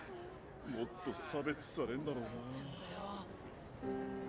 もっと差別されんだろうな。